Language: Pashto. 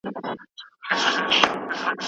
شېبه روسته د سهاک ماڼۍ کې شور شو